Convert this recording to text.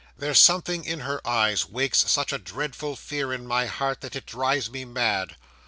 There's something in her eyes wakes such a dreadful fear in my heart, that it drives me mad.